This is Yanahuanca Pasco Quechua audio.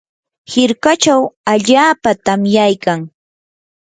hirkachaw allaapa tamyaykan.